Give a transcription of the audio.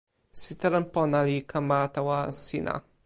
sitelen pona li kama tawa sina.